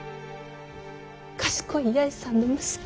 賢い八重さんの息子。